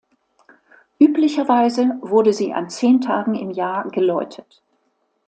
Üblicherweise wurde sie an zehn Tagen im Jahr geläutet.